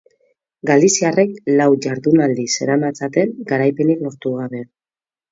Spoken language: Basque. Galiziarrek lau jardunaldi zeramatzaten garaipenik lortu gabe.